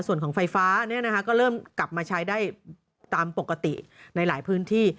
ส่วนของไฟฟ้าก็เริ่มกลับมาใช้ได้ตามปกติในหลายพื้นที่